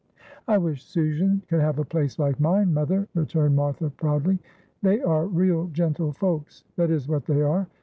"I wish Susan could have a place like mine, mother," returned Martha, proudly. "They are real gentlefolks, that is what they are.